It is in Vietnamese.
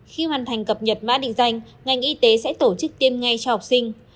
khi hoàn thành cập nhật mã định danh ngành y tế sẽ tổ chức tiêm ngay cho học sinh